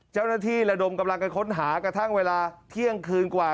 เจ้าหน้าที่ระดมกำลังกันค้นหากระทั่งเวลาเที่ยงคืนกว่า